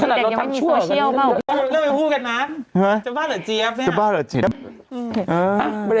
สมัยเด็กยังไม่มีโซเชียล